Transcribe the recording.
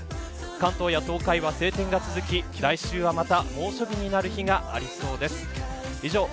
関東や東海は晴天が続き来週はまた猛暑日になる日がありそうです。